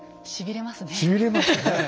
しびれますねえ。